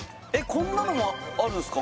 こんなのもあるんですか？